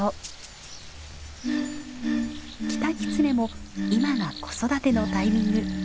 キタキツネも今が子育てのタイミング。